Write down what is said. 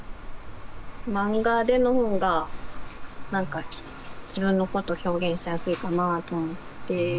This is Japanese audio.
漫画での方が何か自分のこと表現しやすいかなと思って。